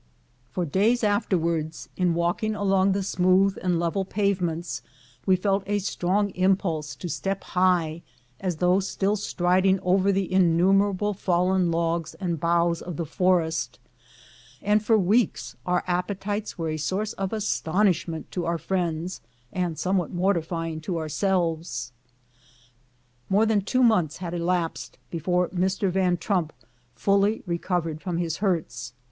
For days afterward, in walking along the smooth and level pavements, we felt a strong impulse to step high, as though still striding over the 130 FIBST SUCCESSFUL ASCENT, 1870 innumerable fallen logs and boughs of the forest, and for weeks our appetites were a source of astonishment to our friends and somewhat mortifying to ourselves. More than two months had elapsed before Mr. Van Trump fully recovered from his hurts.